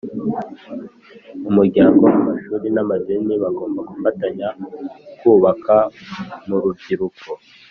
Umuryango amashuri n amadini bagomba gufatanya kubaka mu rubyiruko